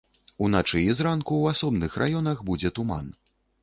Уначы і зранку ў асобных раёнах будзе туман.